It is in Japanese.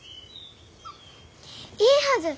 いいはず。